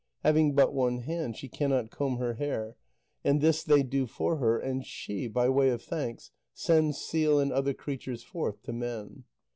Having but one hand, she cannot comb her hair, and this they do for her, and she, by way of thanks, sends seal and other creatures forth to men.